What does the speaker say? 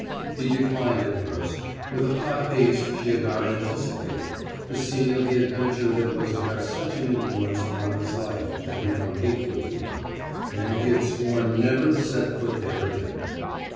He declined at first, with a hot haste she had not anticipated; the scene of the adventure that was to have such an influence upon his life had become hateful to him, and he had sworn never to set foot there again.